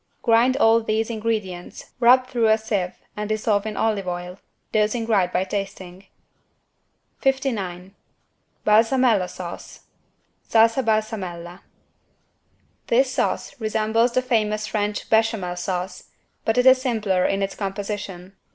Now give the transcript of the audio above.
Grind all these ingredients, rub through a sieve and dissolve in olive oil, dosing right by tasting. 59 BALSAMELLA SAUCE (Salsa balsamella) This sauce resembles the famous French Béchamel Sauce, but it is simpler in its composition.